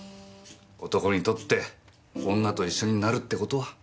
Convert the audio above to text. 男にとって女と一緒になるって事は。